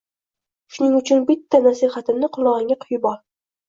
Shuning uchun bitta nasihatimni qulog'ingga quyib ol